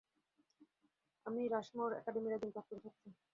আমি রাশমোর একাডেমির একজন প্রাক্তন ছাত্র।